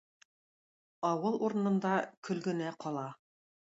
Авыл урынында көл генә кала.